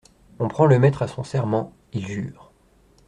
On prend le maître à son serment : il jure.